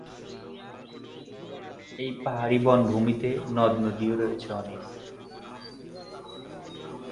এই পাহাড়ী বনভূমিতে নদ-নদীও রয়েছে অনেক।